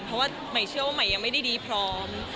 เพราะว่าใหม่เชื่อว่าใหม่ยังไม่ได้ดีพร้อม